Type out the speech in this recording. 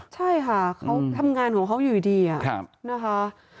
ใช่ค่ะเขาทำงานของเขาอยู่ดีนะคะ